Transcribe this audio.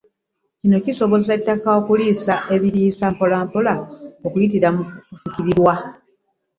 Kino kisobozesa ettaka okusika ebiriisa mpolampola okuyitira mu kufukirirwa.